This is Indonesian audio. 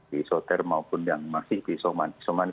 di isoter maupun yang masih di isoman